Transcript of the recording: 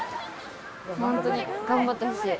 本当に頑張ってほしい。